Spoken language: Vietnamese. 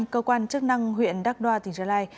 cơ quan chức năng huyện đắc đoa tỉnh gia lai